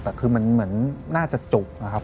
แต่คือมันเหมือนน่าจะจุกนะครับ